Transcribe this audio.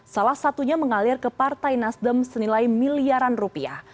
salah satunya mengalir ke partai nasdem senilai miliaran rupiah